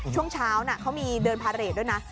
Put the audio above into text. ช่วงเช้าเขามีเดินพาเรทด้วยนะ